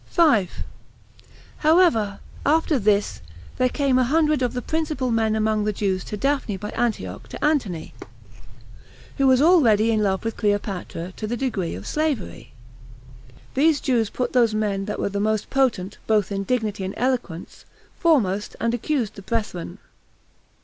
5. However, after this, there came a hundred of the principal men among the Jews to Daphne by Antioch to Antony, who was already in love with Cleopatra to the degree of slavery; these Jews put those men that were the most potent, both in dignity and eloquence, foremost, and accused the brethren.